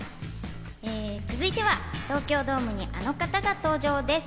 続いては東京ドームに、あの方が登場です。